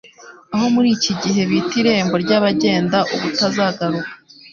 aho muri iki gihe bita Irembo ry'abagenda ubutazagaruka